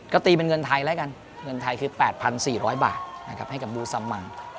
ก็ตีเป็นเงินไทยแล้วกันเงินไทยคือ๘๔๐๐บาทนะครับให้กับบูซัมมัง